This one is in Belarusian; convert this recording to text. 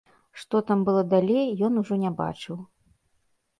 Што там было далей, ён ужо не бачыў.